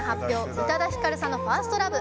宇多田ヒカルさんの「ＦｉｒｓｔＬｏｖｅ」。